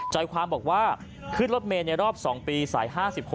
ใจความบอกว่าขึ้นรถเมย์ในรอบ๒ปีสาย๕๖